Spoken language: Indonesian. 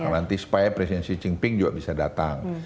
nanti supaya presiden xi jinping juga bisa datang